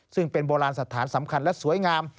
ซึ่งเป็นโบราณสถานสำคัญและสวยงาม